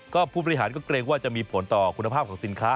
ก็ผู้บริหารก็เกรงว่าจะมีผลต่อคุณภาพของสินค้า